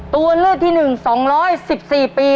ตัวเลือกที่หนึ่ง๒๑๔ปี